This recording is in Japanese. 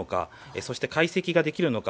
そして解析ができるのか。